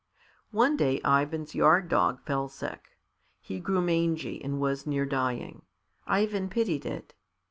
One day Ivan's yard dog fell sick. He grew mangy, and was near dying. Ivan pitied it.